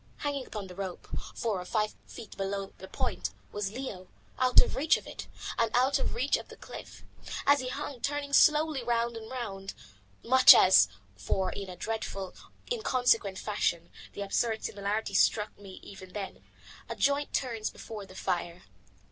Hanging to the rope, four or five feet below the broken point, was Leo, out of reach of it, and out of reach of the cliff; as he hung turning slowly round and round, much as for in a dreadful, inconsequent fashion the absurd similarity struck me even then a joint turns before the fire.